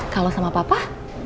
kalau sama papa